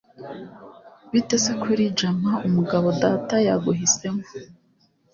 bite se kuri jama, umugabo data yaguhisemo